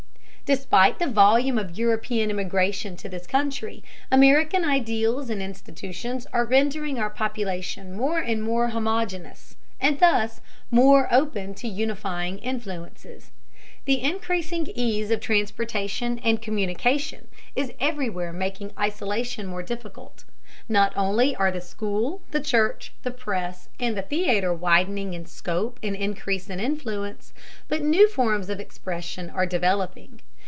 Despite the volume of European immigration to this country, American ideals and institutions are rendering our population more and more homogeneous, and thus more open to unifying influences. The increasing ease of transportation and communication is everywhere making isolation more difficult. Not only are the school, the church, the press, and the theatre widening in scope and increasing in influence, but new forms of expression are developing.